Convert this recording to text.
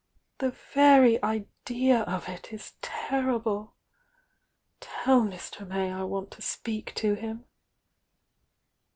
"The very idea of it is terrible! Tell Mr. May I want to speak to him."